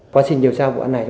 quá trình điều tra vụ án này